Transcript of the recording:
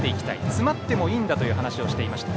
詰まってもいいんだという話をしていました。